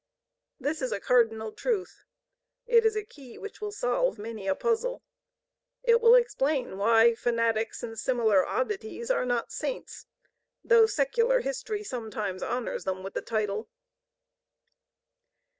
This is a cardinal truth; it is a key which will solve many a puzzle. It will explain why fanatics and similar oddities are not Saints, though secular history sometimes honors them with the title.